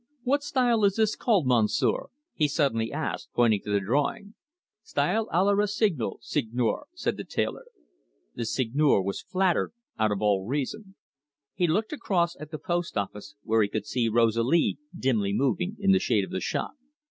What style is this called, Monsieur?" he suddenly asked, pointing to the drawing. "Style a la Rossignol, Seigneur," said the tailor. The Seigneur was flattered out of all reason. He looked across at the post office, where he could see Rosalie dimly moving in the shade of the shop.